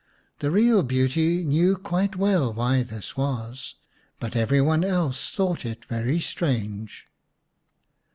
The real beauty knew quite well why this was, but every one else thought it very strange.